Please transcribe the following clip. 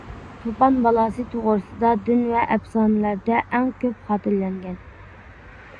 توپان بالاسى توغرىسىدا دىن ۋە ئەپسانىلەردە ئەڭ كۆپ خاتىرىلەنگەن.